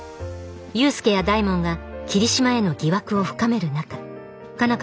勇介や大門が桐島への疑惑を深める中佳奈